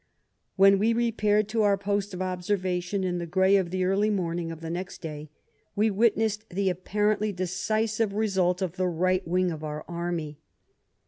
When we repaired to our post of observation in the grey of the early morning of the next day, we witnessed the apparently decisive result of the right wing of our army.